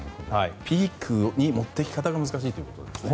ピークに持っていき方が難しいってことですね。